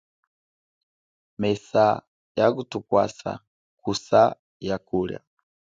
Mesa ya kutukwasa kusa ya kulia.